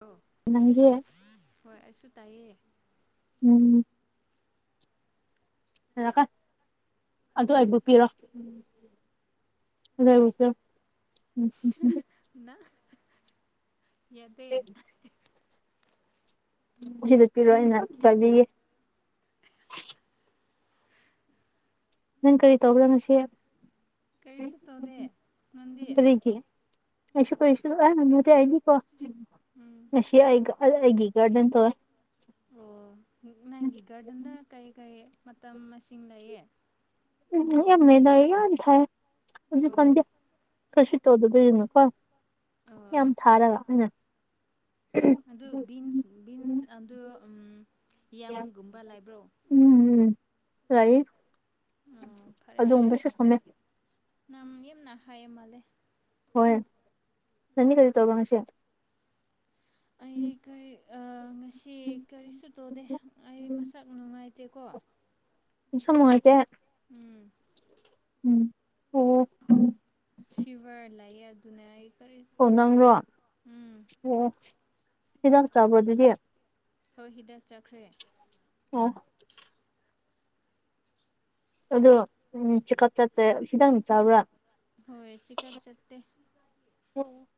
ꯑꯣ ꯅꯪꯒꯤ ꯍꯣꯏ ꯑꯩꯁꯨ ꯇꯥꯏꯌꯦ ꯎꯝ ꯂ ꯀꯥ ꯑꯗꯨ ꯑꯩꯕꯨ ꯄꯤꯔꯣ ꯑꯗꯨ ꯑꯩꯕꯨꯁꯨ [unintelligible] ꯑꯝ ꯍꯝ ꯍꯝ ꯍ ꯅꯪ ꯌꯥꯗꯦ [unintelligible] ꯁꯤꯗꯠꯄꯤꯔꯣ ꯑꯩꯅꯥ ꯆꯥꯏꯕꯤ ꯅꯪ ꯀꯔꯤ ꯇꯧꯕ꯭ꯔꯥ ꯉꯥꯁꯤ ꯀꯔꯤꯁꯨ ꯇꯧꯗꯦ ꯅꯪꯗꯤ ꯀꯔꯤꯒꯤ ꯑꯩꯁꯨ ꯀꯔꯤꯁꯨ ꯑꯦ ꯅ ꯅꯠꯇꯦ ꯑꯩꯗꯤ ꯀꯣ ꯎꯝ ꯉꯁꯤ ꯑꯩꯒ ꯑ ꯑꯩꯒꯤ ꯒꯥꯔꯗꯦꯟ ꯇꯣꯏ ꯑꯣ ꯅꯪꯒꯤ ꯒꯥꯔꯗꯦꯟꯗ ꯀꯩ ꯀꯩ ꯃꯇꯝ ꯃꯁꯤꯡ ꯂꯩꯌꯦ ꯎꯝ ꯌꯥꯝ ꯂꯩꯗ ꯌꯥꯝ ꯊꯥꯢꯌꯦ ꯑꯣ ꯍꯨꯖꯤꯛꯀꯥꯟꯗꯤ ꯀꯔꯤꯁꯨ ꯇꯧꯗꯕꯅꯤꯅꯀꯣ ꯑꯣ ꯌꯥꯝ ꯊꯥꯔꯒ ꯑꯣꯏꯅ ꯑꯗꯨ ꯕꯤꯟꯁ ꯕꯤꯟꯁ ꯑꯗꯨ ꯎꯝ ꯌꯥꯝꯒꯨꯝꯕ ꯂꯩꯕ꯭ꯔꯣ ꯎꯝ ꯂꯩ ꯑꯣ ꯐꯔꯦ ꯐꯔꯦ ꯑꯗꯨꯒꯨꯝꯕꯁꯨ ꯊꯝꯃꯦ ꯐꯩꯏꯃꯜꯂꯦ ꯍꯣꯏ ꯅꯪꯗꯤ ꯀꯥꯔꯤ ꯇꯧꯕ꯭ꯔꯥ ꯉꯥꯁꯤ ꯑꯩ ꯀꯩ ꯑ ꯉꯥꯁꯤ ꯀꯔꯤꯁꯨ ꯇꯧꯗꯦ ꯑꯩ ꯃꯁꯛ ꯅꯨꯡꯉꯥꯏꯇꯦꯀꯣ ꯅꯨꯁꯥ ꯅꯨꯡꯉꯥꯢꯇꯦ ꯎꯝ ꯎꯝ ꯐꯤꯚꯔ ꯂꯩꯌꯦ ꯑꯗꯨꯅꯦ ꯑꯩ ꯀꯔꯤ ꯑꯣ ꯅꯪꯔꯣ ꯑꯣ ꯎꯝ ꯑꯣ ꯍꯤꯗꯥꯛ ꯆꯥꯕ꯭ꯔꯣ ꯑꯗꯨꯗꯤ ꯍꯣꯏ ꯍꯤꯗꯥꯛ ꯆꯥꯈ꯭ꯔꯦ ꯑꯣ ꯑꯗꯨ ꯎꯝ ꯆꯤꯀꯞ ꯆꯠꯇꯦ ꯍꯤꯗꯥꯛꯅ ꯆꯥꯕ꯭ꯔꯥ ꯍꯣꯏ ꯆꯦꯛꯑꯞ ꯆꯠꯇꯦ ꯑꯣ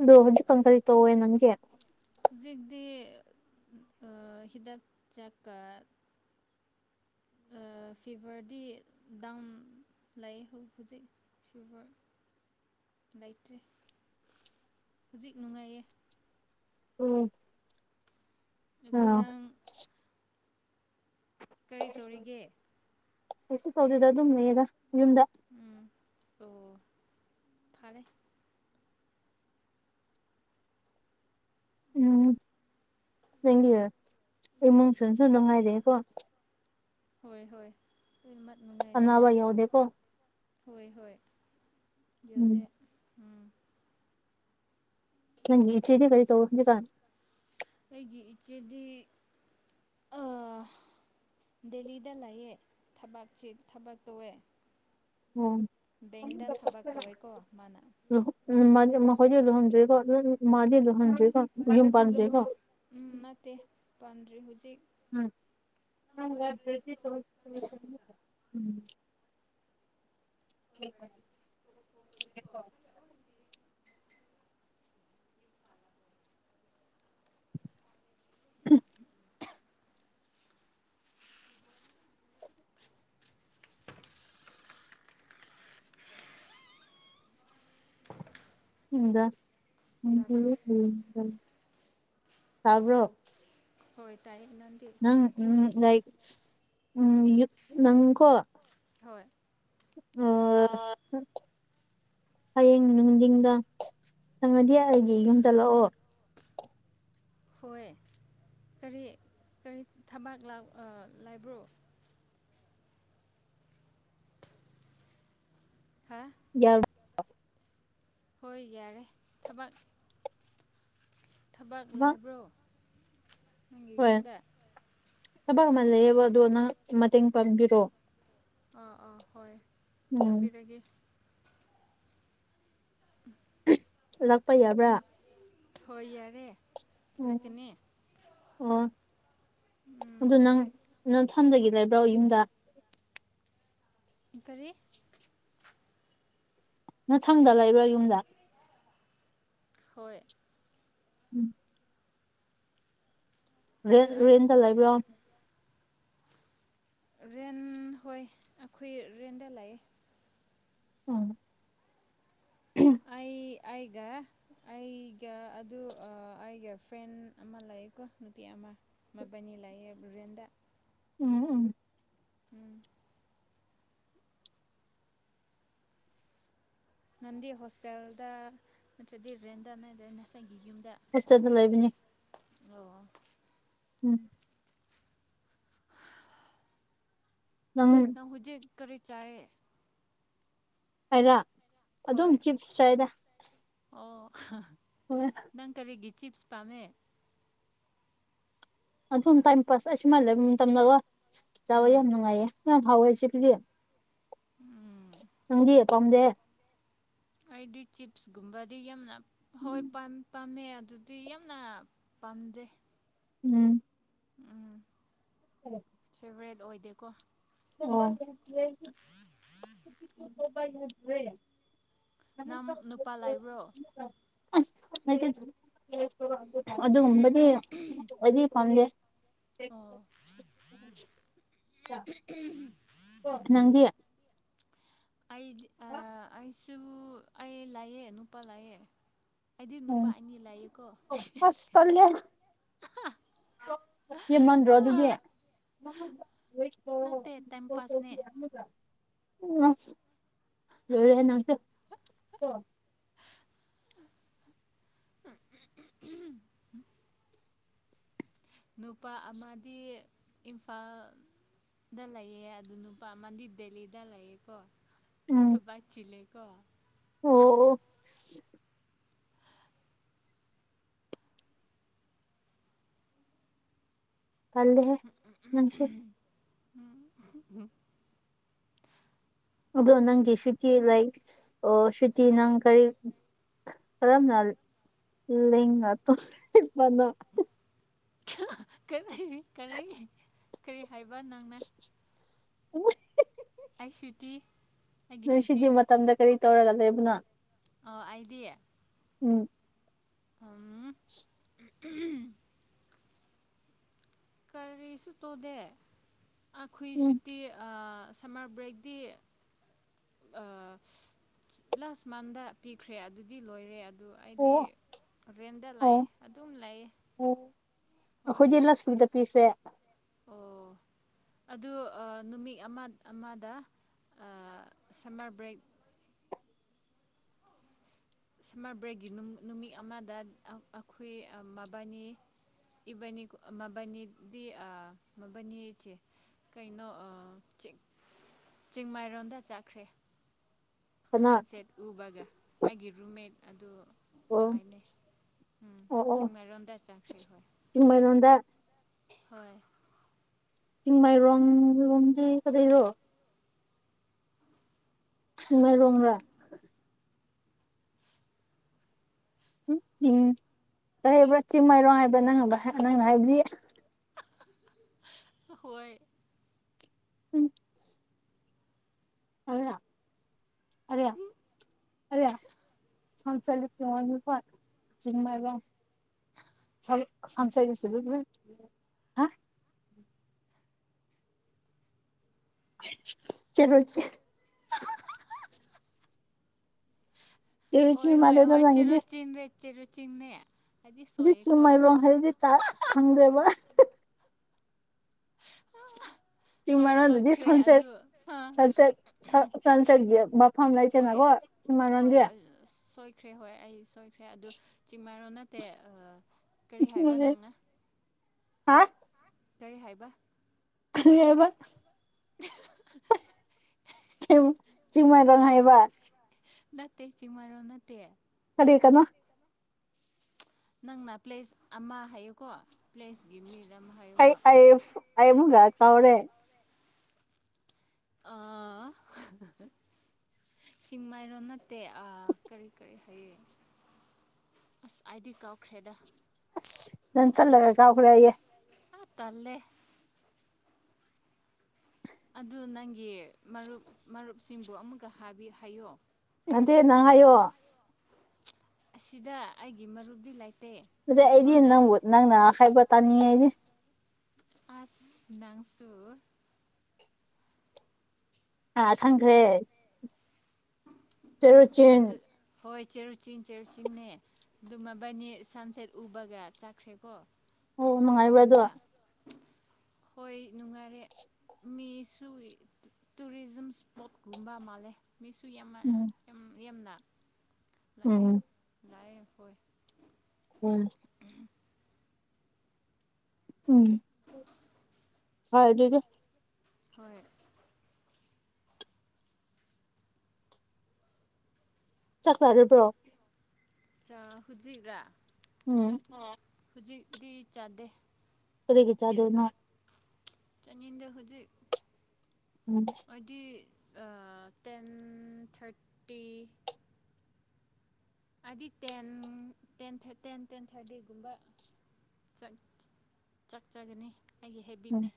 ꯑꯗꯨ ꯍꯧꯖꯤꯛꯀꯥꯟ ꯀꯔꯤ ꯇꯧꯋꯦ ꯅꯪꯗꯤ ꯍꯧꯖꯤꯛꯇꯤ ꯑꯥ ꯍꯤꯗꯥꯛ ꯆꯥꯛꯀ ꯑ ꯐꯤꯚꯔꯗꯤ ꯗꯪ ꯂꯩꯌꯦ ꯍꯨ ꯍꯨꯖꯤꯛ ꯐꯤꯚꯔ ꯂꯩꯇ꯭ꯔꯤ ꯍꯨꯖꯤꯛ ꯅꯨꯡꯉꯥꯏꯌꯦ ꯎꯝ ꯑꯗꯨ ꯑꯥ ꯅꯪ ꯀꯥꯔꯤ ꯇꯧꯔꯤꯒꯦ ꯀꯩꯁꯨ ꯇꯧꯗꯦꯗ ꯑꯗꯨꯝ ꯂꯩꯌꯦꯗ ꯌꯨꯝꯗ ꯎꯝ ꯑꯣ ꯐꯥꯔꯦ [unintelligible] ꯎꯝ [inaudible] ꯅꯪꯒꯤ ꯏꯃꯨꯡꯁꯤꯡꯁꯨ ꯅꯨꯡꯉꯥꯏꯔꯤꯌꯦꯀꯣ ꯍꯣꯏ ꯍꯣꯏ ꯂꯣꯏꯅꯃꯛ ꯅꯨꯡꯉꯥꯏꯔꯤ ꯑꯅꯥꯕ ꯌꯥꯎꯗꯦꯀꯣ ꯍꯣꯏ ꯍꯣꯏ ꯌꯥꯎꯗꯦ ꯎꯝ ꯅꯪꯒꯤ ꯏꯆꯦꯗꯤ ꯀꯔꯤ ꯇꯧ ꯍꯧꯖꯤꯛꯀꯥꯟ ꯑꯩꯒꯤ ꯏꯆꯦꯗꯤ ꯑꯥ ꯗꯦꯂꯤꯗ ꯂꯩꯌꯦ ꯊꯕꯛ ꯆꯦ ꯊꯕꯛ ꯇꯧꯑꯦ ꯑꯣꯝ ꯕꯦꯡꯗ ꯊꯕꯛ ꯇꯧꯋꯦꯀꯣ ꯃꯥꯅ ꯃꯥꯗꯤ ꯃꯈꯣꯏꯗꯤ ꯂꯨꯍꯣꯡꯗ꯭ꯔꯤꯀꯣ ꯃꯥꯗꯤ ꯂꯨꯍꯣꯡꯗ꯭ꯔꯤꯀꯣ ꯌꯨꯝ ꯄꯥꯟꯗ꯭ꯔꯤꯀꯣ ꯂꯨꯍꯣ ꯎꯝ ꯅꯠꯇꯦ ꯄꯥꯟꯗ꯭ꯔꯤ ꯍꯨꯖꯤꯛ ꯎꯝꯝ [unintelligible] [inaudible] [unintelligible] ꯎ [inaudible] [unintelligible] ꯇꯥꯕ꯭ꯔꯣ [inaudible] ꯇꯥꯕ꯭ꯔꯣ ꯔꯣ ꯍꯣꯏ ꯇꯥꯏꯌꯦ ꯅꯪꯗꯤ ꯅꯪ ꯎꯝ ꯂꯥꯏꯛ ꯎꯝ ꯌꯨ ꯅꯪꯀꯣ ꯍꯣꯏ ꯑ, ꯑꯑ ꯍꯌꯦꯡ ꯅꯨꯡꯊꯤꯡꯗ ꯁꯪꯉꯗꯤ ꯑꯩꯒꯤ ꯌꯨꯝꯗ ꯂꯥꯛꯑꯣ ꯍꯣꯏ ꯊꯕꯥꯛ ꯂꯥꯛꯄ ꯂꯥꯏꯕ꯭ꯔꯣ ꯍꯥ ꯌꯥꯎ ꯍꯣꯏ ꯌꯥꯔꯦ ꯊꯕꯛ ꯊꯕꯛ ꯂꯩꯕ꯭ꯔꯣ ꯅꯪꯒꯤ ꯍꯣꯏ ꯌꯨꯝꯗ ꯊꯕꯛ ꯑꯃ ꯂꯩꯌꯦꯕ ꯑꯗꯣ ꯅꯪ ꯃꯇꯦꯡ ꯄꯥꯡꯕꯤꯔꯣ ꯑꯥ ꯑꯥ ꯍꯣꯏ ꯎꯝ ꯄꯝꯕꯤꯔꯒꯦ ꯂꯥꯛꯄ ꯌꯥꯕ꯭ꯔꯥ ꯍꯣꯏ ꯌꯥꯔꯦ ꯑꯝ ꯂꯥꯛꯀꯅꯤ ꯑꯣ ꯎꯝ ꯑꯗꯨ ꯅꯪ ꯅꯪꯊꯝꯗꯒꯤ ꯂꯩꯕ꯭ꯔꯣ ꯌꯨꯝꯗ ꯀꯔꯤ ꯃꯊꯪꯗ ꯂꯩꯕ꯭ꯔꯥ ꯌꯨꯝꯗ ꯍꯣꯏ ꯎꯝ ꯔꯦ ꯑꯗꯨ ꯑꯩꯁ ꯔꯦꯟꯗ ꯂꯩꯕ꯭ꯔꯣ ꯔꯦꯟ ꯍꯣꯏ ꯑꯈꯣꯏ ꯔꯦꯟꯗ ꯂꯩꯑꯦ ꯑꯝ ꯑꯩ ꯑꯩꯒ ꯑꯩꯒ ꯑꯗꯨ ꯑꯥ ꯑꯩꯒ ꯐ꯭ꯔꯦꯟ ꯑꯃ ꯂꯥꯛꯑꯦꯀꯣ ꯅꯨꯄꯤ ꯑꯃ ꯃꯕꯥꯅꯤ ꯂꯥꯛꯑꯦ ꯔꯦꯟꯗ ꯎꯝ ꯎꯝ ꯎꯝ ꯅꯪꯗꯤ ꯍꯣꯁꯇꯦꯜꯗ ꯅꯠꯇ꯭ꯔꯗꯤ ꯔꯦꯟꯗ ꯅ ꯔꯦꯟ ꯅꯁꯪꯒꯤ ꯍꯣꯁꯇꯦꯜꯗ ꯂꯩꯕꯅꯦ ꯑꯣ ꯎꯝ ꯅꯪ ꯍꯧꯖꯤ ꯀꯔꯤ ꯆꯥꯏꯌꯦ ꯑꯩꯔ ꯑꯗꯨꯝ ꯍꯣꯏ ꯆꯤꯞꯁ ꯆꯥꯏꯗ ꯍꯍ ꯍꯣꯏ ꯅꯪ ꯀꯔꯤꯒꯤ ꯆꯤꯞꯁ ꯄꯥꯝꯃꯦ ꯑꯗꯨꯝ ꯇꯥꯏꯝ ꯄꯥꯁ ꯑꯩꯁꯨꯨꯃꯥꯏꯅ ꯂꯩꯕ ꯃꯇꯝꯗꯀꯣ ꯆꯥꯕ ꯎꯝ ꯌꯥꯝ ꯅꯨꯡꯉꯥꯏꯌꯦ ꯍꯥꯎꯋꯦ ꯆꯤꯞꯁꯁꯤ ꯎꯝ ꯅꯪꯗꯤ ꯄꯥꯝꯗꯦ ꯑꯩꯗꯤ ꯆꯤꯞꯁꯀꯨꯝꯕꯗꯤ ꯌꯥꯝꯅ ꯍꯣꯏ ꯄꯥꯝ ꯄꯥꯝꯃꯦ ꯑꯗꯨꯗꯤ ꯌꯥꯝꯅ ꯄꯥꯝꯗꯦ ꯎꯝ ꯎꯝ ꯐꯦꯚꯣꯔꯥꯏꯠ ꯑꯣꯏꯗꯦꯀꯣ ꯑꯣ [inaudible] ꯑꯝ ꯅꯪ ꯅꯨꯄꯥ ꯂꯩꯕ꯭ꯔꯣ ꯑꯩꯗꯤ ꯑꯗꯨꯒꯨꯝꯕꯗꯤ ꯑꯩꯗꯤ ꯄꯥꯝꯗꯦ ꯑꯣ [unintelligible] ꯅꯪꯗꯤ ꯑꯩꯗꯤ ꯑꯥ ꯑꯩꯁꯨ ꯑꯩ ꯂꯩꯌꯦ ꯅꯨꯄꯥ ꯂꯩꯌꯦ ꯎꯝ ꯑꯁ ꯇꯜꯂꯦ ꯌꯦꯝꯃꯟ ꯗ꯭ꯔꯣ ꯑꯗꯨꯗꯤ ꯅꯠꯇꯦ ꯇꯥꯏꯝ ꯄꯥꯁꯅꯦ [unintelligible] ꯎꯝ ꯂꯣꯏꯔꯦꯍꯦ ꯅꯪꯁꯦ ꯅꯨꯄꯥ ꯑꯃꯗꯤ ꯏꯝꯐꯥꯜ ꯗꯦꯜꯗ ꯂꯩꯑꯦ ꯑꯗꯨ ꯅꯨꯄꯥ ꯑꯃꯗꯤ ꯗꯦꯜꯂꯤꯗ ꯂꯩꯌꯦ ꯀꯣ ꯎꯝ ꯊꯕꯛ ꯆꯤꯜꯂꯦ ꯑꯣ ꯑꯣ ꯇꯜꯂꯦꯍꯦ ꯅꯪꯁꯦ ꯎꯝ ꯑꯗꯣ ꯅꯪꯗꯤ ꯁꯨꯇꯤ ꯂꯥꯏ ꯑꯣ ꯁꯨꯇꯤ ꯅꯪ ꯀꯔꯤ ꯀꯔꯝꯅ ꯂꯤꯡꯉ ꯇꯣ [unintelligible] ꯄꯅꯣ [unintelligible] ꯀꯔꯤ ꯀꯔꯤ ꯀꯔꯤ ꯍꯥꯏꯕ ꯅꯪꯅ ꯑꯩꯁꯨꯇꯤ ꯅꯣꯢ ꯁꯤꯗꯤ ꯃꯇꯝꯗ ꯀꯔꯤ ꯇꯧꯔꯒ ꯂꯩꯕꯅꯣ ꯑ ꯑꯥꯢꯗꯤ ꯎꯝ ꯎꯝ [inaudible] ꯎꯝꯍꯨꯝ ꯀꯔꯤꯁꯨ ꯇꯧꯗꯦ ꯑꯈꯨꯏ ꯎꯝ ꯁꯨꯇꯤ ꯑ ꯁꯝꯃꯔ ꯕ꯭ꯔꯦꯛꯇꯤ ꯑ ꯂꯥꯁ ꯃꯟꯗ ꯄꯤꯈ꯭ꯔꯦ ꯑꯗꯨꯗꯤ ꯂꯣꯏꯔꯦ ꯑꯩꯗꯤ ꯑꯣ ꯔꯦꯟꯗ ꯂꯥꯛꯑꯦ ꯑꯗꯨꯝ ꯂꯩ ꯑꯈꯣꯈꯗꯤ ꯂꯁꯋꯤꯛꯇ ꯑꯣ ꯑꯗꯨ ꯑ ꯅꯨꯃꯤꯠ ꯑꯃ ꯑꯃꯗ ꯑ ꯁꯝꯃꯔ ꯕ꯭ꯔꯦꯛ ꯁꯝꯃꯔ ꯕ꯭ꯔꯦꯛꯒꯤ ꯅꯨꯃꯤ ꯅꯨꯃꯤꯠ ꯑꯃꯗꯪ ꯑ ꯑꯩꯈꯣꯏ ꯃꯕꯅꯤ ꯏꯕꯅꯤ ꯃꯕꯅꯤꯗꯤ ꯑ ꯃꯕꯅꯤ ꯆꯦ ꯀꯩꯅꯣ ꯑ ꯆꯤꯛ ꯆꯤꯡꯃꯥꯏꯔꯣꯝꯗ ꯆꯈ꯭ꯔꯦ ꯀꯅꯥ ꯁꯟꯁꯦꯠ ꯎꯕꯒ ꯑꯩꯒꯤ ꯔꯨꯝꯃꯦꯠ ꯑꯗꯨ ꯑꯣ ꯑꯥꯏꯅꯩ ꯎꯝ ꯑꯣ ꯑꯣ ꯆꯤꯡꯃꯥꯏꯔꯣꯝꯗ ꯆꯠꯈ꯭ꯔꯦ ꯍꯣꯏ ꯆꯤꯡꯃꯩꯔꯣꯡꯗ ꯍꯣꯏ ꯆꯤꯡ ꯃꯥꯏ ꯔꯣꯡ ꯂꯣꯝꯗꯤ ꯀꯗꯩꯔꯣ ꯆꯤꯡꯃꯥꯏ ꯔꯣꯝꯔꯥ ꯎ ꯎꯝ ꯀꯩꯍꯥꯏꯕ꯭ꯔ ꯆꯤꯡ ꯃꯥꯏꯔꯣꯡ ꯍꯥꯏꯕ꯭ꯔꯥ ꯅꯪ ꯅꯪꯅ ꯍꯥꯏꯕꯗꯤ ꯍꯣꯏ ꯎꯝ [unintelligible] ꯀꯔꯤ ꯑꯔꯤ ꯁꯥꯟꯁꯔ [unintelligible] ꯆꯤꯡꯃꯥꯏꯔꯣꯡ ꯁꯟ ꯁꯟꯁꯦꯠ ꯌꯦꯡꯁꯤꯟꯂꯨꯅꯨꯍꯦ ꯍꯥ [unintelligible] ꯆꯔꯣꯏ [unintelligible] ꯆꯤꯔꯨ ꯆꯤꯡꯅꯦ ꯍꯥꯏꯗꯤ ꯍꯧꯖꯤꯛ ꯁꯣꯏꯌꯦꯀꯣ ꯆꯤꯡꯃꯥꯏꯔꯣꯡ ꯍꯥꯏꯗꯤ ꯇ ꯈꯪꯗꯦꯕ [inaudible] ꯍꯣꯏ ꯆꯤꯡꯃꯥꯏꯔꯣꯡꯗꯗꯤ ꯁꯣꯏꯈ꯭ꯔꯦ ꯁꯟꯁꯦꯠ ꯑꯗꯨ ꯑꯥ ꯁꯟꯁꯦꯠ ꯁ ꯁꯟꯁꯦꯠ ꯌꯦꯡ ꯃꯐꯝ ꯂꯩꯇꯦꯅ ꯍꯣꯏ [unintelligible] ꯈ꯭ꯔꯦ ꯍꯣꯏ ꯑꯩ ꯁꯣꯏꯈ꯭ꯔꯦ ꯑꯗꯨ ꯆꯤꯡꯃꯥꯏꯔꯣ ꯅꯠꯇꯦ ꯑ ꯀꯔꯤ ꯍꯥꯏꯕ ꯅꯪꯅ ꯍꯥ ꯀꯔꯤ ꯍꯥꯏꯕ ꯀꯔꯤ ꯍꯥꯢꯕ [unintelligible] ꯆꯤꯡꯃꯥꯏ ꯔꯪ ꯍꯥꯏꯕ ꯅꯠꯇꯦ ꯆꯤꯡꯃꯔꯣ ꯅꯠꯇꯦ ꯗꯦꯀꯥꯅ ꯅꯪꯅ ꯄ꯭ꯂꯦꯁ ꯑꯃ ꯍꯥꯏꯌꯨꯀꯣ ꯄ꯭ꯂꯦꯁꯀꯤ ꯃꯤꯗ ꯑꯃ ꯍꯥꯏꯌꯨꯀꯣ ꯑꯩꯃꯨꯒ ꯆꯧꯔꯦ ꯑꯥ [unintelligible] ꯆꯤꯡꯃꯥꯏꯔꯣ ꯅꯠꯇꯦ ꯑꯥ ꯀꯔꯤ ꯀꯔꯤ ꯍꯥꯏꯌꯦ ꯑꯁ ꯑꯥꯢꯗꯤ ꯀꯥꯎꯈ꯭ꯔꯦꯗ ꯑꯁ ꯅꯪꯆꯠꯂꯥꯒ ꯀꯥꯎꯒ꯭ꯔꯦ ꯑꯥꯌꯦ ꯇꯜꯂꯦ ꯑꯗꯨ ꯅꯪꯒꯤ ꯃꯔꯨꯞ ꯃꯔꯨꯞꯁꯤꯡꯕꯨ ꯑꯃꯨꯛꯀ ꯍꯥꯏꯕꯤ ꯍꯥꯏꯌꯣ ꯅꯠꯇꯦ ꯅꯪ ꯍꯥꯏꯌꯣ ꯑꯁꯤꯗ ꯑꯩꯒꯤ ꯃꯔꯨꯞꯗꯤ ꯂꯩ ꯑꯗꯨꯗꯩ ꯑꯩꯗꯤ ꯅꯪꯕꯨ ꯅꯪꯅ ꯍꯥꯏꯕ ꯇꯥꯅꯤꯡꯉꯦ ꯑꯩꯗꯤ ꯑꯁ ꯅꯪꯁꯨ ꯑ ꯈꯪꯈ꯭ꯔꯦ ꯄꯦꯔꯣꯠ ꯆꯤꯟ ꯆꯦꯔꯥꯎ ꯆꯤꯡ ꯆꯦ ꯆꯤꯡꯅꯦ ꯑꯗꯨ ꯃꯕꯥꯅꯤ ꯁꯟꯁꯦꯠ ꯎꯕꯒ ꯆꯪꯈ꯭ꯔꯦꯀꯣ ꯑꯣ ꯃꯪꯉꯥꯏꯕ꯭ꯔꯥ ꯑꯗꯣ ꯍꯣꯏ ꯅꯨꯡꯉꯥꯏꯔꯦ ꯃꯤꯁꯨ ꯇꯨꯔꯤꯖꯝ ꯏꯁꯄꯣꯠꯀꯨꯝꯕ ꯃꯥꯜꯂꯦ ꯃꯤꯁꯨ ꯌꯥꯝꯃ ꯎꯝ ꯌꯥꯝꯅ ꯂꯥꯛꯑꯦ ꯎꯝ ꯂꯥꯑꯦ ꯍꯣꯏ ꯎꯝ ꯎꯝ ꯐꯗꯨꯗꯤ ꯍꯣꯏ ꯆꯥꯛ ꯆꯥꯔꯥꯕ꯭ꯔꯣ ꯆ ꯍꯨꯖꯤꯛꯔꯥ ꯎꯝ ꯍꯧꯖꯤꯛꯇꯤ ꯆꯥꯗꯦ ꯀꯔꯤꯒꯤ ꯆꯥꯗꯣꯏꯅꯣ ꯆꯅꯤꯡꯗꯦ ꯍꯨꯖꯤꯛ ꯎꯝ ꯈꯣꯏꯗꯤ ꯑꯥ ꯇꯦꯟ ꯊꯥꯔꯇꯤ ꯍꯥꯏꯗꯤ ꯇꯦꯟ ꯇꯦꯟ ꯇꯦꯟ ꯊꯥꯔꯇꯒꯨꯝꯕ ꯆꯥꯛꯆꯒꯅꯤ ꯑꯩꯒꯤ ꯎꯝ ꯍꯦꯕꯤꯠꯅꯦ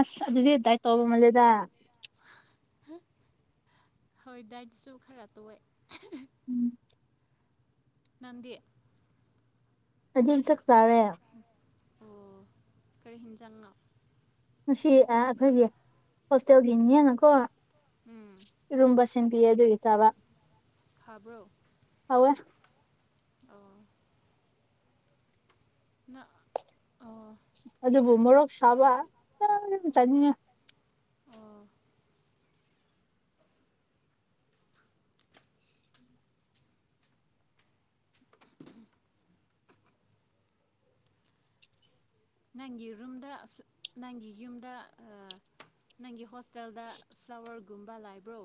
ꯑꯁ ꯑꯗꯨꯗꯤ ꯗꯥꯏꯠ ꯇꯧꯕ ꯃꯥꯜꯂꯦꯗ ꯍꯥ ꯍꯣꯏ ꯗꯥꯏꯠꯁꯨ ꯈꯔ ꯇꯧꯋꯦ ꯎꯝ ꯅꯪꯗꯤ ꯑꯩꯗꯤ ꯆꯛ ꯇꯥꯔꯦ ꯑꯣ ꯀꯔꯤ ꯍꯦꯟꯖꯥꯡꯅꯣ ꯉꯥꯁꯤ ꯑꯥ ꯑꯩꯈꯣꯏꯒꯤ ꯍꯣꯁꯇꯦꯜꯒꯤ ꯅꯦꯅꯀꯣ ꯎꯝ ꯏꯔꯣꯝꯕꯁꯤ ꯊꯤꯟꯕꯤꯌꯦ ꯑꯗꯨꯒꯤ ꯆꯕ ꯍꯥꯥꯕ꯭ꯔꯣ ꯍꯥꯎꯋꯦ ꯅꯪ ꯑꯣ ꯑꯗꯨꯕꯨ ꯃꯣꯔꯣꯛ ꯁꯥꯕ ꯌꯥꯝ ꯑ ꯆꯥꯅꯤꯡꯉꯦ ꯑꯣ ꯅꯪꯒꯤ ꯔꯨꯝꯗ ꯐꯂꯥ ꯅꯪꯒꯤ ꯌꯨꯝꯗ ꯅꯪꯒꯤ ꯍꯣꯁꯇꯦꯜꯗ ꯐ꯭ꯂꯥꯋꯔꯒꯨꯝꯕ ꯂꯥꯏꯕ꯭ꯔꯣ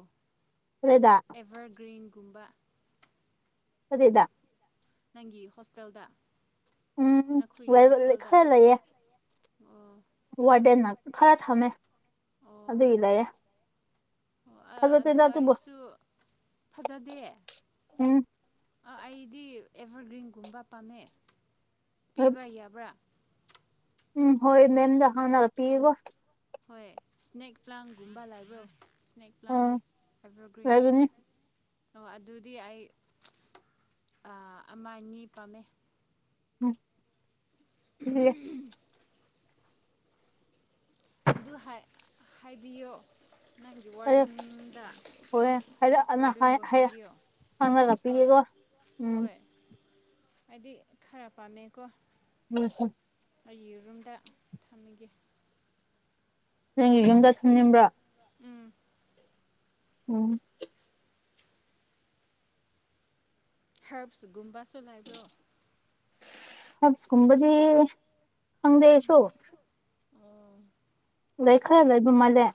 ꯀꯗꯥꯏꯗ ꯑꯦꯚꯔꯒ꯭ꯔꯤꯟꯒꯨꯝꯕ [unintelligible] ꯅꯪꯒꯤ ꯍꯣꯁꯇꯦꯜꯗ ꯎꯝ ꯅꯈꯣꯏꯒꯤ ꯋꯦꯜ ꯍꯣꯁꯇꯦꯜꯗ ꯈꯔ ꯂꯩꯌꯦ ꯑꯣ ꯋꯥꯔꯗꯦꯟꯅ ꯈꯔ ꯊꯝꯃꯦ ꯑꯗꯨꯒꯤ ꯂꯩꯌꯦ ꯑꯥ ꯑꯗꯨ ꯐꯖꯗꯦꯗ ꯑꯗꯨꯕꯨ ꯑꯩꯁꯨ ꯐꯖꯗꯦ ꯎꯝ ꯑꯥ ꯑꯩꯗꯤ ꯑꯦꯚꯔꯒ꯭ꯔꯤꯟꯒꯨꯝꯕ ꯄꯥꯝꯃꯦ ꯍꯣꯏ ꯄꯤꯕ ꯌꯥꯕ꯭ꯔꯥ ꯎꯝ ꯍꯣꯏ ꯃꯦꯝꯗ ꯍꯥꯟꯅ ꯄꯤꯌꯦꯀꯣ ꯍꯣꯏ ꯁꯅꯦꯛ ꯄ꯭ꯂꯥꯟꯒꯨꯝꯕ ꯂꯩꯕ꯭ꯔꯣ ꯁ꯭ꯅꯦꯛ ꯄ꯭ꯂꯥꯟ ꯎꯝ ꯑꯦꯚꯔꯒ꯭ꯔꯤꯟ ꯂꯩꯒꯅꯤ ꯑꯣ ꯑꯗꯨꯗꯤ ꯑꯩ ꯑ ꯑꯃ ꯑꯅꯤ ꯄꯥꯝꯃꯦ ꯎꯝ ꯄꯤꯒꯦ ꯎꯎꯝ ꯑꯗꯨ ꯍꯥꯏ ꯍꯥꯏꯕꯤꯌꯣ ꯅꯪꯒꯤ ꯐꯔꯦ ꯋꯥꯔꯗꯦꯟꯗ ꯍꯣꯏ ꯍꯥꯏꯔꯛꯑꯅ ꯋꯥꯔꯗꯦꯟꯕꯨ ꯍꯥꯡꯉꯒ ꯍꯥꯏꯕꯤꯌꯣ ꯍꯣꯏ [unintelligible] ꯎꯝ ꯍꯥꯏꯗꯤ ꯈꯥꯔ ꯄꯥꯝꯃꯦꯀꯣ [unintelligible] ꯑꯩ ꯌꯦꯔꯨꯝꯗ ꯊꯝꯃꯒꯦ ꯅꯪꯒꯤ ꯌꯨꯝꯗ ꯊꯝꯅꯤꯡꯕ꯭ꯔꯥ ꯎꯝ ꯎꯝ ꯍꯦꯜꯞꯁ ꯒꯨꯝꯕꯁꯨ ꯂꯩꯕ꯭ꯔꯣ ꯍꯦꯜꯞꯁ ꯀꯨꯝꯕꯗꯤ ꯈꯪꯗ ꯑꯩꯁꯨ ꯑꯣ ꯂꯩ ꯈꯥꯔ ꯂꯩꯕ ꯃꯥꯜꯂꯦ